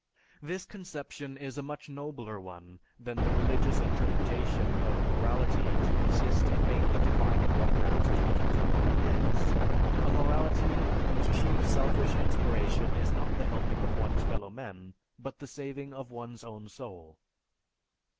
This conception is a much nobler one than the religious interpretation of morality to consist in mainly defining what man's duty to God is; a morality whose chief selfish inspiration is not the helping of one's fellowmen but the saving of one's own soul.